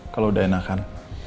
kalo udah enakan